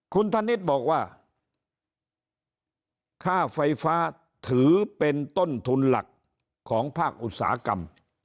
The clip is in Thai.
คุณธนิษฐ์บอกว่าค่าไฟฟ้าถือเป็นต้นทุนหลักของภาคอุตสาหกรรม